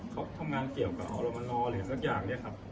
เขาทำงานเกี่ยวกับอรมนอะไรสักอย่างเนี่ยครับ